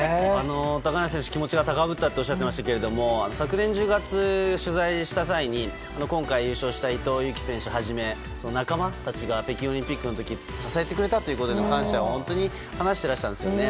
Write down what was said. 高梨選手、気持ちが高ぶったとおっしゃっていましたが昨年１０月、取材した際に今回優勝した伊藤有希選手をはじめ仲間たちが北京オリンピックの時に支えてくれたという感謝を話していらしたんですよね。